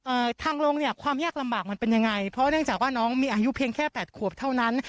ทางลงเนี่ยความยากลำบากมันเป็นยังไงเพราะเนื่องจากว่าน้องมีอายุเพียงแค่แปดขวบเท่านั้น